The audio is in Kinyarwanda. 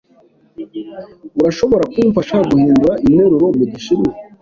Urashobora kumfasha guhindura iyi nteruro mu gishinwa?